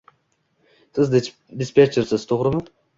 Siz dispetchersiz, to`g`rimi